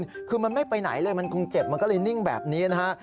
คือมันไม่ไปไหนเลยมันคงเจ็บมันก็เลยนิ่งแบบนี้นะฮะ